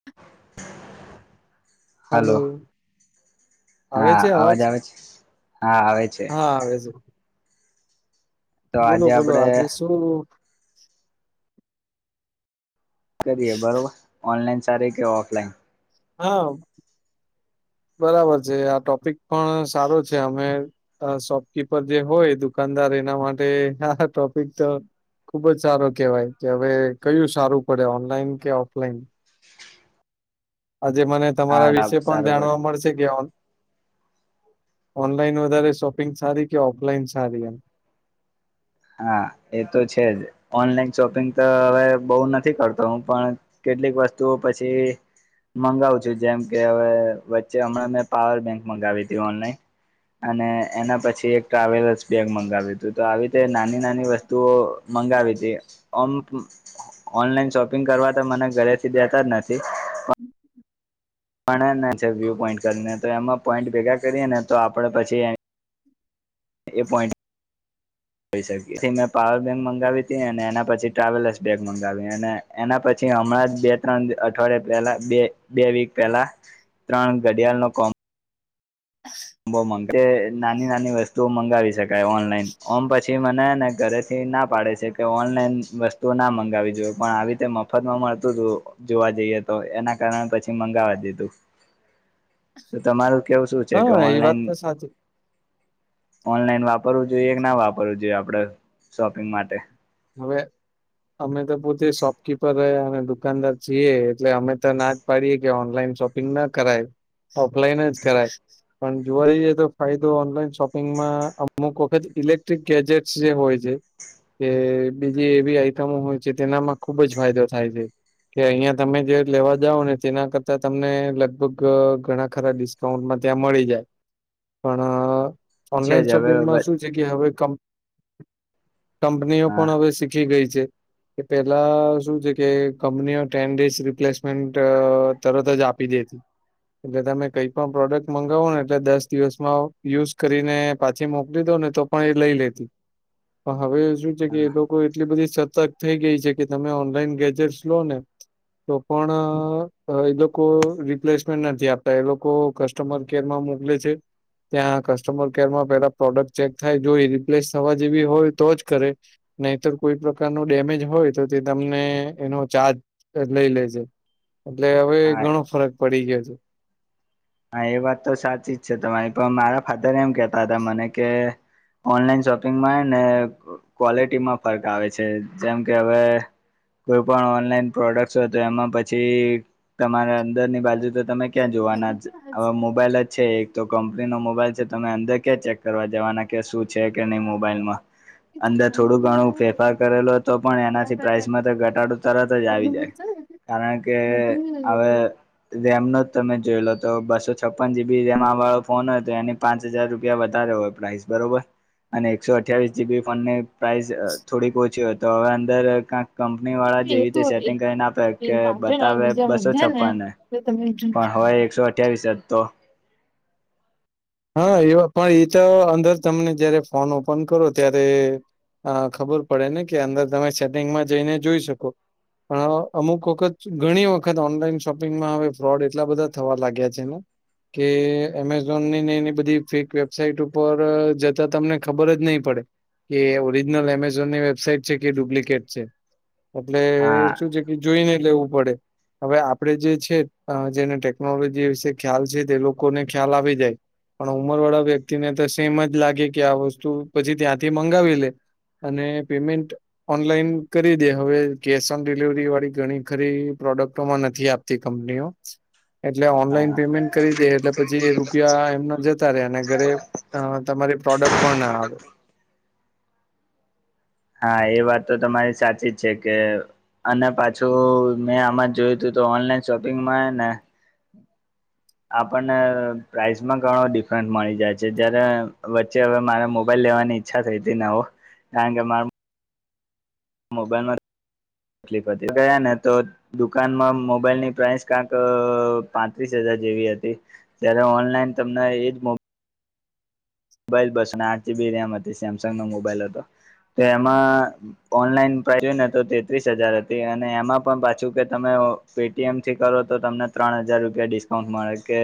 [inaudible] હાલો hello આવે હા છે અવાજ આવે છે હા આવે છે હા આવે છે તો બોલો આજે બોલો આપડે આજે શું કરીએ બરોબર ઓનલાઈન સારી કે ઓફલાઈન હા બરાબર છે આ ટોપિક પણ સારો છે અમે શોપકીપર જે હોય દુકાનદાર એના માટે ટોપિક તો ખુબ જ સારો કેહેવાય કે હવે કયું સારું પડે ઓનલાઈન કે ઓફલાઈન આજે મને તમારા હા વિશે પણ સારું પડે જાણવા મળશે ઓનલાઈન વધારે શોપિંગ સારી કે ઓફલાઈન સારી એમ હા એ તો છે જ ઓનલાઈન શોપિંગ તો હવે બહુ નથી કરતો હું પણ કેટલીક વસ્તુ પછી મંગાવું છું જેમ કે હવે વચ્ચે હમણાં મેં પાવર બેંક મંગાવી હતી ઓનલાઈન અને એના પછી એક ટ્રાવેલસ બેગ મગાવ્યું હતું તો આવી તે નાની નાની વસ્તુઓ મંગાવી હતીમ ઓનલાઈન શોપિંગ કરવા તો મને ઘરેથી દેતા જ નથી પણ વ્યુ પોઈન્ટ કરીને તો એમાં પોઈન્ટ ભેગા કરીએ ને તો આપડે પછી એ પોઈન્ટ [inaudible] જોઈ શકી મેં પાવર બેંક મગાવી હતીી અને એના પછી ટ્રાવેલસ બેગ મગાવી અને એના પછી હમણાં જ બે ત્રણ અઠવાડિયાે પહેલા બે બે વીક પહેલા ત્રણ ઘડિયાળ નો કોમ નાની નાની વસ્તુ મંગાવી શકાય ઓનલાઈન ઓમ પછી મને ને ઘરે ના પાડે છે કે ઓનલાઈન વસ્તુ ના મગાવી જોઈએ પણ આવી રીતે મફત માં મળતું હતું જોવા જઈએ તો એના કારણે પછી મંગાવવા દીધું તમારું કેવું શું છે હા એ વાત તો ઓનલાઈન સાચી ઓનલાઈન વાપરવું જોઈએ કે ના વાપરવું જોઈએ આપડે શોપિંગ માટે હવે અમે તો પોતે શોપકીપર રહ્યા અને દુકાનદાર છીએ એટલે અમે તો ના પડીએ કે ઓનલાઈન શોપિંગ ના કરાય ઓફલાઈન જ કરાય પણ જોવા રઈ જએ તો ફાયદો ઓનલાઈન શોપિંગમાં અમુક વખત ઇલેક્ટ્રિક ગેજેટસ જે હોય છે કે બીજી એવી આઈટમો હોય છે તેનામાં ખુબ જ ફાયદો થાય છે કે અહિયાં તમે જે લેવા જાવ ને તેના કરતા તમને લગભગ ઘણા ખરાિ ઉ ત્યાં મળી જાય પણ છે ઓનલાઈન જ હવે શોપિંગમાં શું છે કે હવે કંપનીઓ હા પણ હવે શીખી ગઈ છે કે પેલા શું છે કે કંપનીઓ ટેન ડેઝ રિપ્લેસમેન્ટ તરત જ આપી દેતી એટલે તમે કઈ પણ પ્રોડક્ટ મગાવો ને એટલે દસ દિવસમાં યુઝ કરીને પાછી મોકલી દો ને તો પણ એ લઈ લેતી પણ હવે શું છે કે હા એ લોકો એટલી બધી સતર્ક થઈ ગઈ છે કે તમે ઓનલાઈન ગેજેટસ લો ને તો પણ એ લોકો રિપ્લેસમેન્ટ નથી આપતા એ લોકો કસ્ટમર કેર માં મોકલે છે ત્યાં કસ્ટમર કેરમાં પેલા પ્રોડક્ટ ચેક થાય જો એ રિપ્લેસ થવા જેવી હોય તો જ કરે નહીતર કોઈ પ્રકાર ન ડેમેજ હોય તો તે તમને એનો ચાર્જ લઈ લેજે એટલે હવે ઘણો હા ફરક પડી ગયો છે હા એ વાત તો સાચી જ છે તમારી પણ મારા ફાધર એમ કેતા હતા મને કે ઓનલાઈન શોપિંગમાં ને ક્વોલિટીમાં ફર્ક આવે છે જેમ કે હવે કોઈ પણ ઓનલાઈન પ્રોડક્ટસ હોય તો એમાં પછી તમારા અંદરની બાજુ તો તમે ક્યાં જોવાના મોબાઈલ મોબાઈલ જ છે એક તો કંપની નો મોબાઈલ છે તમે અંદર ક્યાં ચેક કરવા જવાના કે શું છે કે નહી મોબાઈલમાં અંદર થોડું ઘણું ફેરફાર કરેલો હતો પણ એનાથી પ્રાાઈસમાં તો ઘટાડો તરત જ આવી જાય કારણ કે હવે રેમનો જ તમે જોયેલો તો બસો છપ્પન જીબી રેમ વાળો ફોન હોય તો એની પાંચ હજાર રૂપિયા વધારે હોય પ્રાઇસ બરોબર અને એકસો અઠ્યાવીસ જીબી ફોનની પ્રાઇસ થોડીક ઓછી હોય તો હવે અંદર કંક કંપની વાળા જેવી રીતે સેટિંગ કરીને આપે કે બતાવે બસો છપ્પનને તો તમે જો અ્યા વિસ તો હા એ પણ એ તો અંદર તમને જયારે ફોન ઓપન કરો ત્યારે અ ખબર પડે ને કે અંદર તમે સેટિંગમાં જઈને જોઈ શકો પણ અમુક વખત ઘણી વખત ઓનલાઈન શોપિંગમાં હવે ફ્રોડ એટલા બધા થવા લાગ્યા છે ને. કે એમેઝોનની એ બધી ફેક વેબસાાઈટ ઉપર જતાં તમને ખબર જ નહીં પડે. કે ઓરિજનલ એમેઝોનની વેબસાાઈટ છે કે ડુપ્લિકેટ છે એટલે હા કે શું છે? એ જોઈને લેવું પડે. હવે આપડે જે છે અ જેને ટેકનોલોજી વિશે ખ્યાલ છે તે લોકોને ખ્યાલ આવી જાય. પણ ઉંમરવાળા વ્યક્તિને તો સેમ જ લાગે કે આ વસ્તુ પછી ત્યાંથી મંગાવી લે. અને પેમેન્ટ ઓનલાઈન કરી દે હવે કેશ ઓન ડિલવરીવાળી ઘણી ખરી પ્રોડક્ટોમાં નથી આપ તી કંપનીઓ. એટલે ઓનલાઈન હા પેમેન્ટ કરી દે એટલે પછી રૂપિયા એમના જતા રે અને ઘરે અ તમારી પ્રોડક્ટ પણ ના આવે. હા એ વાત તો તમારી સાચી છે કે અને પાછું મેં આમાં જ જોયું તું તો ઓનલાઈન શોપિંગમાં હેને આપણને પ્રાઇસમાં ઘણો ડિફરન્સ મળી જાય છે જયારે વચ્ચે હવે મારે મોબાઈલ લેવાની ઈચ્છા થઈ તી નવો કારણ કે મા મોબાઈલમાં લીફ હતી ગયા ને તો દુકાનમાં મોબાઈલની પ્રાઈસ ક્યાંક પાંત્રીસ હજાર જેવી હતી. ત્યારે ઓનલાઈન તમને એજ મો મોબાઈલ બસને આઠ જીબી રેમ હતી સેમસંગનો મોબાઈલ હતો તો એમાં ઓનલાઈન પ્રાઈસ જોઈને તો તેત્રીસ હજાર હતી અને એમાં પણ પાછું કે તમે પે ટી એમથી કરો તો તમને ત્રણ હજાર રૂપિયા ડિસ્કાઉન્ટ મળે કે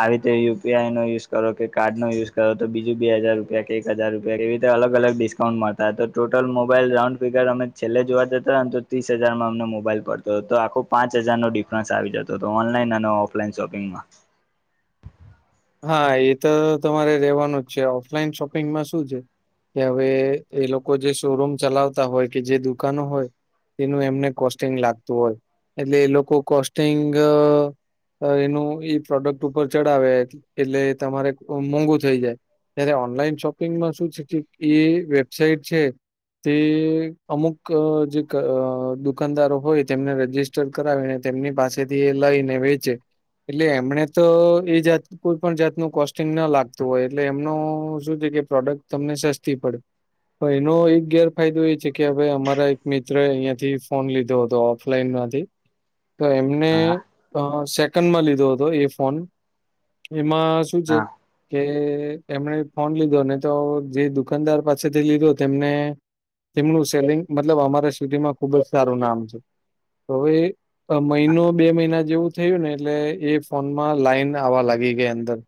આવી રીતે યુ પી આઈ નો યુઝ કરો કે કાર્ડનો યુઝ કરો તો બીજું બે હજાર રૂપિયા કે એક હજાર રૂપિયા એવી રીતે અલગ-અલગ ડિસ્કાઉન્ટ મળતાં હતાં તો ટોટલ મોબાઈલ રાઉન્ડ ફિગર અમે છેલ્લે જોવા જ હતાં ને તો ત્રીસ હજારમાં અમને મોબાઈલ પડતો હતો તો આખો પાંચ હજારનો ડિફરન્સ આવી જતો. તો ઓનલાઈન અને ઓફલાઈન શોપિંગમાં. હા એ તો તમારે રેહવાનું જ છે ઓફલાઈન શોપિંગમાં શું છે? કે હવે એ લોકો જે શો રૂમ ચલાવતા હોય કે જે દુકાનો હોય તેનું એમને કોસ્ટિંગ લાગતું હોય એટલે એ લોકો કોસ્ટિંગ એનું ઈ પ્રોડક્ટ ઉપર ચડાવે એટલે તમારે મોંઘુ થઈ જાય. ત્યારે ઓનલાઈન શોપિંગમાં શું છે એ વેબસાઇટ છે. તે અમુક અ જે દુકાનદારો હોય તેમને રજિસ્ટ ટર કરાવીને તેમની પાસેથી એ લઈને વેચે એટલે એમણે તો એ જાત કોઈ પણ જાતનું કોસ્ટિંગ ન લાગતું હોય એટલે એમનો શું છે કે પ્રોડક્ટ તમને સસ્તી પડે. હ એનો એક ગેરફાયદો એ છે અવે અમારા એક મિત્રએ અહીંયાથી ફોન લીધો હતો ઓફલાઈનમાંથી. તો એમને હા સેકન્ડમાં લીધો હતો એ ફોન. એમાં શું છે? હા કે એમણે ફોન લીધો ને તો જે દુકાનદાર પાસેથી લીધો તેમને તેમનું સેલિંગ મતલબ અમારા સિટીમાં ખૂબ જ સારું નામ છે. હવે મહિનો બે મહિના જેવું થયું ને એટલે એ ફોનમાં લાઈન આવા લાગી ગઈ અંદર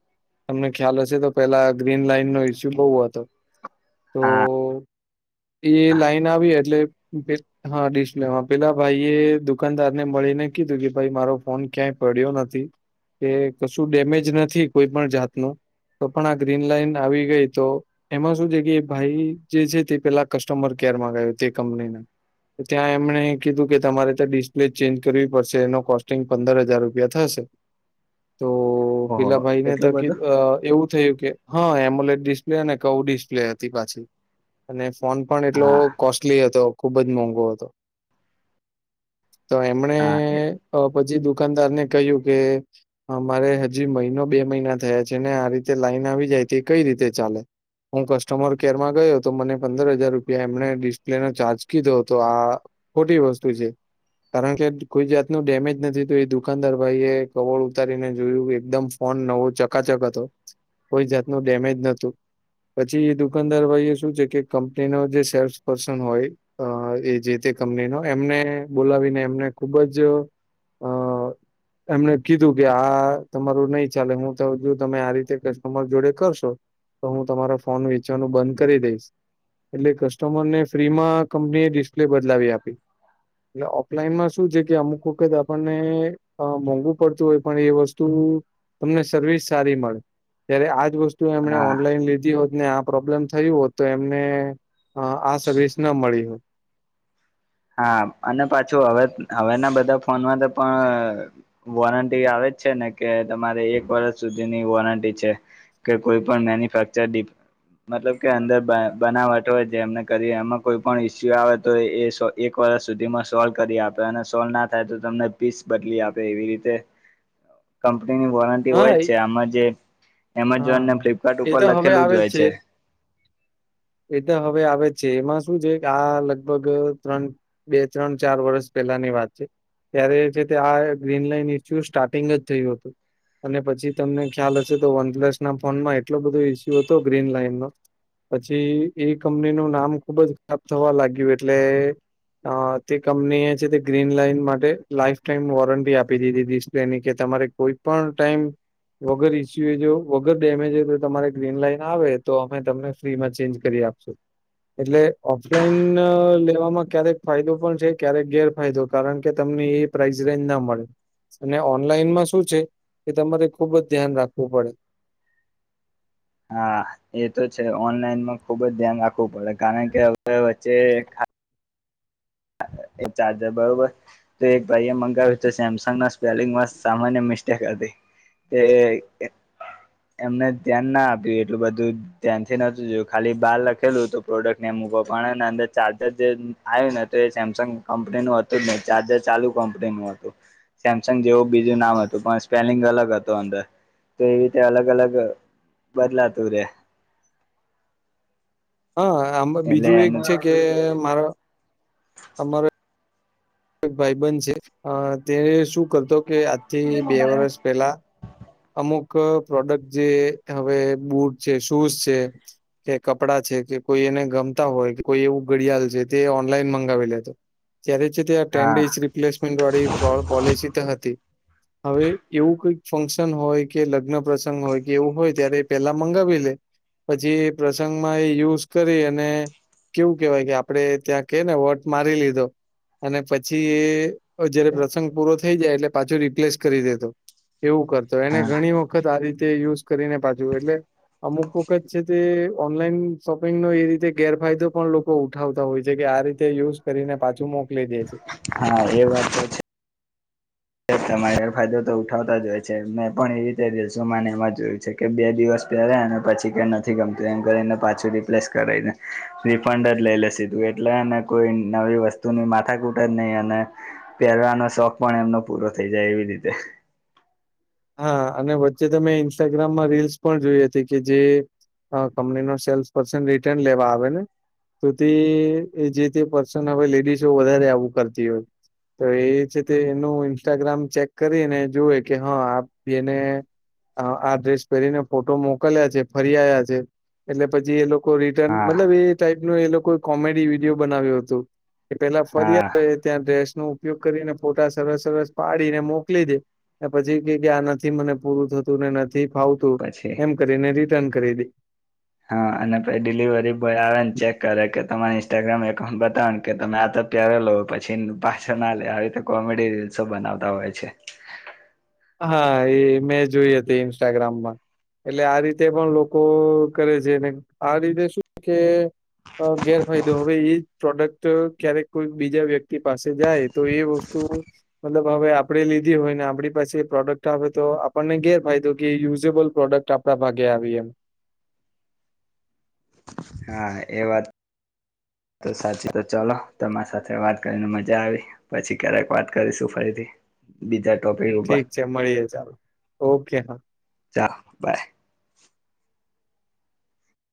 તમને ખ્યાલ હશે તો પેલા ગ્રીન લાઈનનો ઈસ્યુ બઉ હતો. તો હા. એ લાઈન આવી એટલે હા ડિસ્પ્લેમાં પેલા ભાઈએ દુકાનદારને મળીને કીધું કે ભાઈ મારો ફોન ક્યાંય પડ્યો નથી. કે કશું ડેમેજ નથી કોઈ પણ જાતનું. તો પણ આ ગ્રીન લાઈન આવી ગઈ તો એમાં શું છે કે ભાઈ જે છે તે પેહલા કસ્ટમર કેરમાં ગયો તે કંપનીના. ત્યાં એમણે કીધું કે તમારે ત્યાં ડિસ્પ્લે ચેન્જ કરવી પડશે એનો કોસ્ટિંગ પંદર હજાર રૂપિયા થશે. તો ઓહો પેલા ભાઈને એટલું તકલી બધું એવું થયું કે હા એમોલેડ ડિસ્પ્લે અને કવ ડિસ્પ્લે હતી પાછી. અને ફોન પણ એટલો હા કોસ્ટલી હતો ખુબ જ મોંઘો હતો તો એમણે હા પછી દુકાનદાર ને કહ્યું કે અમારે હજી મહિનો બે મહિના થયા છે ને આ રીતે લાઈન આવી જાય તે કઈ રીતે ચાલે હું કસ્ટમર કેરમાં ગયો હતો મને પંદર હજાર રૂપિયા એમને ડિસ્પ્લે નો ચાર્જ કીધો હતો આ ખોટી વસ્તુ છે કારણ કે કોઈ જાતનું ડેમેજ નથી તો એ દુકાનદાર ભાઈ એ કવળ ઉતારીને જોયું એકદમ ફોન નવો ચકાચક હતો કોઈ જાતનું ડેમેજ નતું પછી એ દુકાનદાર ભાઈ એ શું છે કે કંપની ન જે સેલ્સ પર્સન હોય અ એ જે તે કંપનીનો એમને બોલાવીને એમને ખુબ જ અ એમને કી ીધું કે આ તમારું નહીિ ચાલે હું તો જો તમે આ રીતે કમર જોડે કરશો તો હું તમારા ફોન વેચવાનું બંધ કરી દઈશ એટલે કસ્ટમર ને ફ્રી માં કંપની એ ડિસ્પ્લે બદલાવી આપી એટલે ઓફલાઈનમાં શું છે કે અમુક વખત આપણને મોંઘુ પડતું હોય પણ એ વસ્તુ તમને સર્વિસ સારી મળે ત્યારે આજ વસ્તુ એમણે હા ઓનલાઈન લીધી હતી ને આ પ્રોબ્લેમ થયું હો તો એમને આ સર્વિસ ના મળી હોય હા અને પાછું હવે હવેના બધા ફોનમાં તો પણ વોરંટી આવે જ છે ને કે તમારે એક વર્ષ સુધીની વોરંટી છે કે કોઈ પણ મેન્યુફેક્ચર મતલબ કે અંદર બનાવટ હોય જેમને કરીએ એમાં કોઈ પણણ ઇસ્યુ આવે તો એ સો એક વર્ષ સુધીમાં સોલ્વ કરી આપે અને સોલ્વ ના થાય તો તમને પીસ બદલી આપે એવી રીતે કંપનીની વોરંટી હોય હા જ એ છે આમાં જે હા એમેઝોનને ફ્લિપકાર્ટ એ ઉપર તો હવે લખેલું જ આવે હોય છે એ તો હવે આવે જ છે એમાં શું છે કે આ લગભગ ત્રણ બે ત્રણ ચાર વર્ષ પહેલાની વાત છે. ત્યારે જે તે આ ગ્રીન લઈન ઇસ્યુ સ્ટાર્ટિંગ જ થયું હતું અને પછી તમને ખ્યાલ હશે તો વનપ્લસ ના ફોનમાં એટલો બધો ઈસ્યુ હતો ગ્રીન લાઈન ન પછી એ કંપની નું નામ ખુબ જ ખરાબ થવા લાગ્યું એટલે અ તે કંપની એ છે તે ગ્રીન લાઈન માટે લાઈફ ટાઈમ વોરંટી આપી દીધીિસ્પ્લેની કે તમારે કોઈ પણ ટાઈમ વગર ઈસ્યુ એ જો વગર ડેમેજ હો તો તમારે ગ્રીન લાઈન આવે તો અમે તમને ફ્રીમાં ચેન્જ કરી આપશો એટલે ઓફલાઈન લેવામાં ક્યારેક ફાયદો પણ છે ક્યારેક ગેરફાયદો કારણ કે તમને એ પ્રાઇઝ રેન્જ ના મળે અને ઓનલાઈનમાં શું છે કે તમારે ખુબ જ ધ્યાન રાખવું પડે હા એ તો છે ઓનલાઈનમાં ખુબ જ ધ્યાન રાખવું પડે કારણ કે હ વચ્ચે એ ચાર્જર બરોબર તો એક ભાઈ એ મંગાવ્યું તો સેમસંગ ના સ્પેલિંગમાં સામાન્ય મિસ્ટેક હતી તે એમને ધ્યાન ના આપ્યું એટલું બધું ત્યાંથી નતું જોયું ખાલી બહાર લખેલું તો પ્રોડક્ટને એમભકો પાડે ને અંદર ચાર્જર જે આવ્યું ને તો સેમસંગ કંપની નું હતું જ ને ચાર્જર ચાલુ કંપની નું હતું સેમસંગ જેવું બીજું નામ હતું પણ સ્પેલિંગ અલગ હતું અંદર તો એવી રીતે અલગ અલગ બદલાતું રે હા આ એટલે બીજું એક એનું છે કે મારા અમારે ભાઈ બન છે તેને શું કરતો કે આજથી બે વર્ષ પહેલા અમુક પ્રોડક્ટ જે હવે બુટ છે શૂઝ છે. કે કપડાં છે કે કોઈ એને ગમતા હોય કોઈ એવું ઘડિયાળ છે તે ઓનલાઈન મંગાવી લેતો જય્યારે જ્યારે આ ટેન ડે હા ર મેળલ હતી હવે એવું કઈ ફં પ્રસ હોય કે લગ્ન પ્રસંગ હોય કે એવું હોય ત્યારે પેલા મંગાવી લે પછી એ પ્રસંગમાં એ યુઝ કરી અને કેવું કેવાય કે આપડણે ત્યાં કે ને વોટ મારી લીધો અને પછી એ જયારે પ્રસંગ પૂરો થઈ જાય એટલે પાછું રિપ્લેસ કરી દેતો એવું કરતો એને હા ઘણી વખત વખત આ રીતે યુઝ કરીને પાછું એટલે અમુક વખત છે તે ઓનલાઈન શોપિંગ નો એ રીતે ગેરફાયદો પણ લોકો ઉઠાવતા હોય છે કે આ રીતે યુઝ કરીને પાછું મોકલી દે છે. હા એ વાત તો તમારે એેરફાયદો તો ઉઠાવતા જ હોય છે, મેં પણ એવી રીતે રલસો મને એમાં જોયું છે. કે બે દિવસ પહેરે અને પછી કઈ નથી કમ્પ્લેન કરીને પાછું રિપ્લેસ કરાવને રિફંડ જ લઈ લેશેીધું એટલે કોઈ નવી વસ્તુની માથા કૂટ જ નહી, અને પહેરવાનો શોખ પણ એમનો પૂરો થઈ જાય એવી રીતે હા અને વચ્ચે ત મેમે ઇન્સ્ટાગ્રામમાં રીલ્સ પણ જોઈ હતી કે જે હ કંપની નો સેલ્સ પર્સન રિટર્ન લેવા આવે ને સુ તે એ જે તે પર્સન હવે લેડીસ વધારે આવું કરતી હોય. તો એ છે તે એનું ઇન્સ્ટાગ્રામ ચેક કરીને જોુએ કે હા બેને આ ડ્રેસ પહેરીને ફોટો મોકલ્યા છે ફરી આવ્યા છે એટલે પછી એ લોકો રિટર્ન હા મતલબ એ ટાઈપ ન એ લોકો કોમેડી વિડીિયો બનાવ્યો હતું એ પેલા ફરી હા ત્યાં ડ્રેસ નો ઉપયોગ કરીને ફોટા સરસ સરસ પાડીને મોકલી દે અને પછી ગયા નથી મને પૂરું થતુ, ને નથી ફાવતું પછી એમ કરીને રિટર્ન કરી દે હા અને પછી ડિલિવરી બોય આવે ને ચેક કરે કે તમારા ઇન્સ્ટાગ્રામ એકાઉન્ટ બતાવ ને કે તમે આ તો પ્યારે લો પછી એ પાછળ ના લે આવી રીતે કોમેડી રીલ્સો બનાવતા હોય છે. હા એ ઇમે જોઈ હતી ઇન્સ્ટાગ્રામમા એટલે આ રીતે પણ લોકો કરે છે આ રીતે શું કે ગેરફાયદો હવે એ પ્રોડક્ટ ક્યારેક કોઈ બીજા વ્યક્તિ પાસે જાય તો એ વસ્તુ મતલબ હવે આપડે લીધી હોય ને આપણી પાસે પ્રોડક્ટ આવે તો આપણને ઘેર ફાયદો કે યુઝેબલ પ્રોડક્ટ આપણા ભાગે આવી એમ હા એ વાત તો સાચી તો ચલો તમારી સાથે વાત કરીને મજા આવી પછી ક્યારેક વાત કરીશું ફરીથી બીજા ટોપે ઠીક છે મળીએે ચાલો ઓકે હા ચાલો બાય